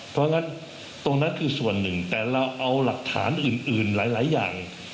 เพราะฉะนั้นตรงนั้นคือส่วนหนึ่งแต่เราเอาหลักฐานอื่นหลายอย่าง